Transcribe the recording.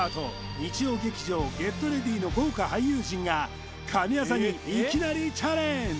日曜劇場「ＧｅｔＲｅａｄｙ！」の豪華俳優陣が神業にいきなりチャレンジ